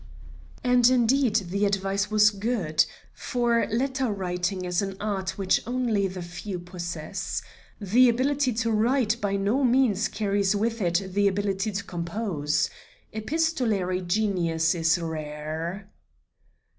And indeed the advice was good. For letter writing is an art which only the few possess. The ability to write by no means carries with it the ability to compose. Epistolary genius is rare.